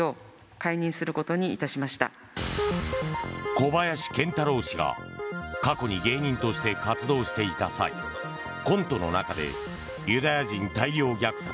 小林賢太郎氏が過去に芸人として活動していた際コントの中で、ユダヤ人大量虐殺